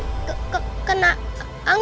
ya aku mau makan